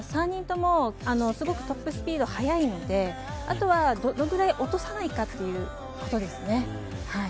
３人ともすごくトップスピードが速いので、あとはどのぐらい落とさないかということです。